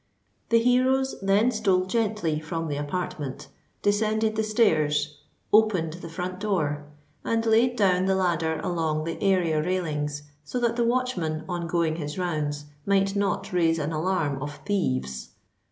The heroes then stole gently from the apartment—descended the stairs—opened the front door—and laid down the ladder along the area railings, so that the watchman, on going his rounds, might not raise an alarm of "thieves."